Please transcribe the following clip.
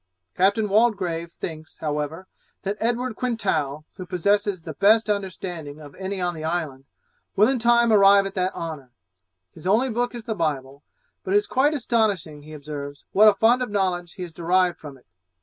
Captain Waldegrave thinks, however, that Edward Quintal, who possesses the best understanding of any on the island, will in time arrive at that honour; his only book is the Bible, but it is quite astonishing, he observes, what a fund of knowledge he has derived from it.